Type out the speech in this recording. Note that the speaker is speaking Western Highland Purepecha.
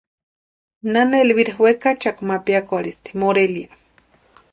Nana Elvira wekachʼakwa ma piakwarhisti Morelia.